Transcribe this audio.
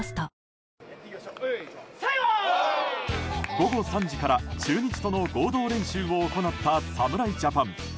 午後３時から、中日との合同練習を行った侍ジャパン。